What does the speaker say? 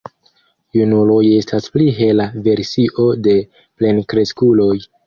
Junuloj estas pli hela versio de plenkreskuloj.